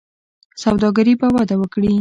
سوداګري به وده وکړي.